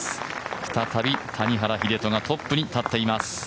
再び、谷原秀人がトップに立っています。